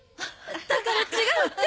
だから違うって！